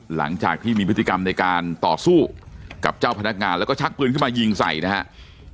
หลังจากที่มีพฤติกรรมในการต่อสู้กับเจ้าพนักงานแล้วก็ชักปืนขึ้นมายิงใส่นะครับ